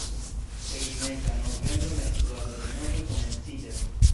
En meza novembro la instruado denove komenciĝas.